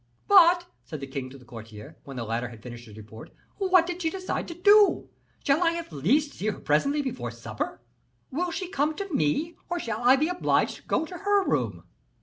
"But," said the king to the courtier, when the latter had finished his report, "what did she decide to do? Shall I at least see her presently before supper? Will she come to me, or shall I be obliged to go to her room?"